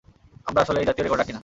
আমরা আসলে এই জাতীয় রেকর্ড রাখি না।